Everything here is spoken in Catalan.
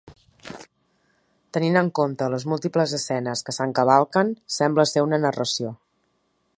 Tenint en compte les múltiples escenes que s'encavalquen, sembla ser una narració.